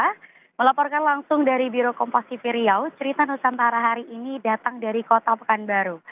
kita melaporkan langsung dari biro komposifi riau cerita nusantara hari ini datang dari kota pekanbaru